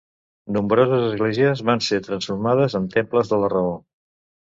Nombroses esglésies van ser transformades en temples de la Raó.